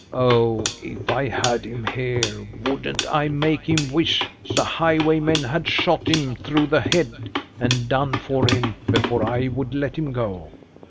Oh! if I had him here, wouldn't I make him wish the highwaymen had shot him through the head, and done for him, before I would let him go!"